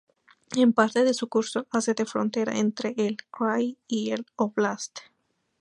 En parte de su curso hace de frontera entre el krai y el óblast.